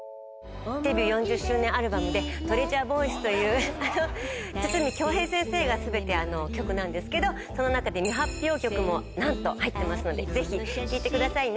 デビュー４０周年アルバムで、トレジャー・ヴォイスという筒美京平先生のすべて曲なんですけど、その中で未発表曲もなんと入ってますので、ぜひ聴いてくださいね。